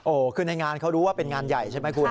โอ้โหคือในงานเขารู้ว่าเป็นงานใหญ่ใช่ไหมคุณ